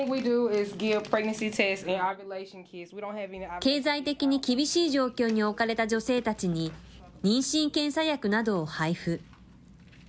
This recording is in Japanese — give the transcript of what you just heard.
経済的に厳しい状況に置かれた女性たちに、妊娠検査薬などを配布。